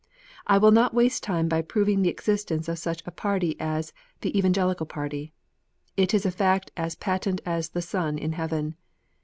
I will not waste time by proving the existence of such a party as "the Evangelical party." It is a fact as patent as the sun in heaven.